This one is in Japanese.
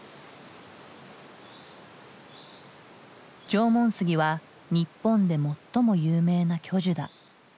縄文杉は日本で最も有名な巨樹だ。